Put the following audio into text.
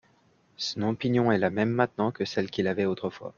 Son opinion est la même maintenant que celle qu’il avait autrefois.